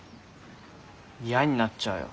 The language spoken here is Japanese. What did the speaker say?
いやになっちゃうよ